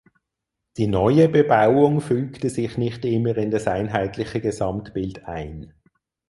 Die neue Bebauung fügte sich nicht immer in das einheitliche Gesamtbild ein.